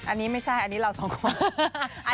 อันนี้ไม่ใช่อันนี้เราสองคน